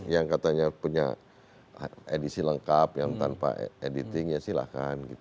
yang katanya punya edisi lengkap yang tanpa editing ya silahkan